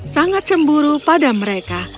sangat cemburu pada mereka